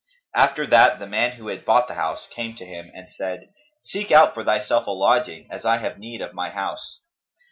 After that, the man who had bought the house came to him and said "Seek out for thyself a lodging, as I have need of my house."